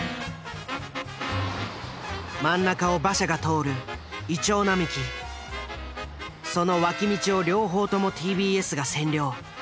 真ん中を馬車が通るその脇道を両方ともＴＢＳが占領。